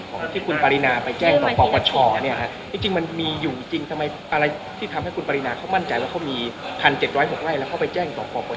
คติว่ามันมีอยู่จริง